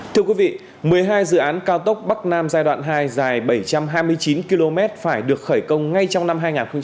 thưa quý vị một mươi hai dự án cao tốc bắc nam giai đoạn hai dài bảy trăm hai mươi chín km phải được khởi công ngay trong năm hai nghìn hai mươi